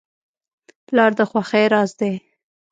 پلار د خوښۍ راز دی.